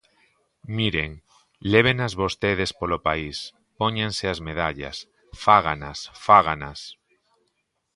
Miren, lévenas vostedes polo país, póñanse as medallas, fáganas, fáganas.